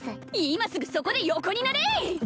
今すぐそこで横になれい！